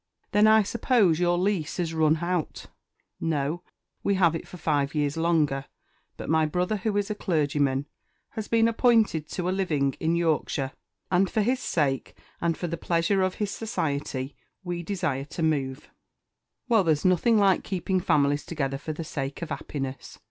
"Then, I suppose, your lease 'as run _h_out!" "No! we have it for five years longer: but my brother, who is a clergyman, has been appointed to a living in Yorkshire, and for his sake, and for the pleasure of his society, we desire to remove." "Well there's nothing like keeping families together for the sake of 'appiness.